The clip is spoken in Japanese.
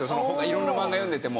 色んな漫画読んでても。